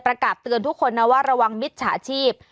ประกาศเตือนทุกคนนะว่าระวังมิจฉาชีพ